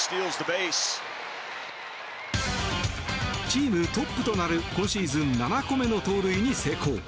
チームトップとなる今シーズン７個目の盗塁に成功。